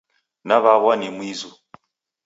Naw'aw'a ni mizu.